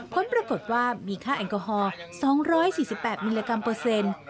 ผลปรากฏว่ามีค่าแอลกอฮอล์๒๔๘มิลลิกรัมเปอร์เซ็นต์